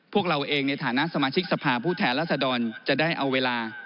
พวกเราเองในฐานะสมาชิกสภาพผู้แทนรัศดรจะได้เอาเวลา